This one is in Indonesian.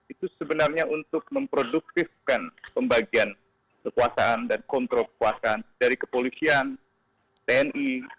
itu sebenarnya untuk memproduktifkan pembagian kekuasaan dan kontrol kekuasaan dari kepolisian tni